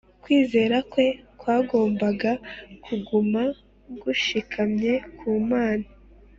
kwizera kwe kwagombaga kuguma gushikamye ku mana